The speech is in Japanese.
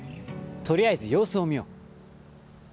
とりあえず様子を見よう。